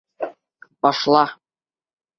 Башла!